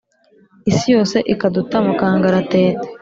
isi yose ikaduta mu kangaratete